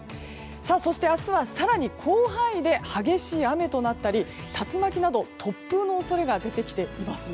そして明日は更に広範囲で激しい雨となったり竜巻など突風の恐れが出てきています。